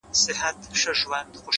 هم داسي ستا دا گل ورين مخ ـ